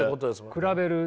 比べる。